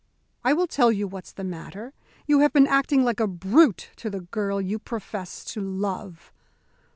"I will tell you what's the matter. You have been acting like a brute to the girl you profess to love."